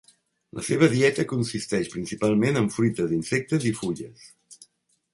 La seva dieta consisteix principalment en fruites, insectes i fulles.